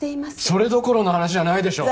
それどころの話じゃないでしょ！